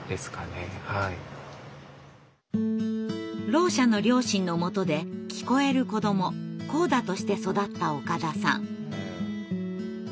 ろう者の両親のもとで聞こえる子ども「ＣＯＤＡ」として育った岡田さん。